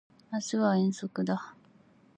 明日は遠足だ